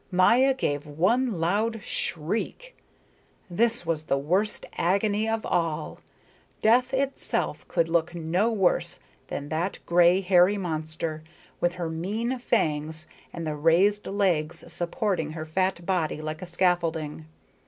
Maya gave one loud shriek. This was the worst agony of all. Death itself could look no worse than that grey, hairy monster with her mean fangs and the raised legs supporting her fat body like a scaffolding.